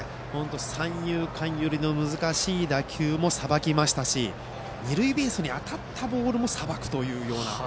三遊間寄りの難しい打球もさばきましたし二塁ベースに当たったボールもさばくというような。